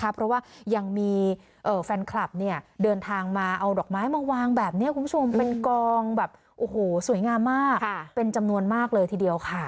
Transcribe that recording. แบบเนี่ยคุณผู้ชมเป็นกองแบบโอ้โหสวยงามมากค่ะเป็นจำนวนมากเลยทีเดียวค่ะ